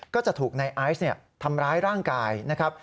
ก็จะถูกนายไอซ์เนี่ยทำร้ายร่างกายนะครับ